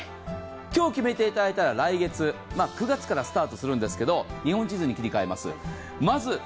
今日決めていただいたら来月、９月からスタートするんですけど日本地図に切り替えます。